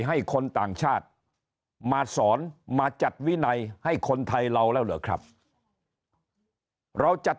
ให้คนต่างชาติมาสอนมาจัดวินัยให้คนไทยเราแล้วเหรอครับเราจัด